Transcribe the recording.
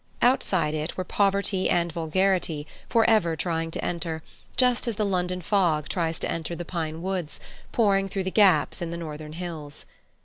Outside it were poverty and vulgarity for ever trying to enter, just as the London fog tries to enter the pine woods pouring through the gaps in the northern hills.